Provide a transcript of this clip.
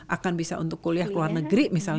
akan bisa untuk kuliah ke luar negeri misalnya